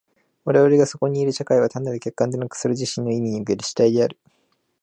我々がそこにいる社会は単なる客観でなく、それ自身の意味における主体である。